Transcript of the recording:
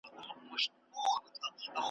زما پر زړه باندي تل اورې زما یادېږې `